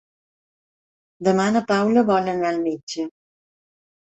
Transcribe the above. Demà na Paula vol anar al metge.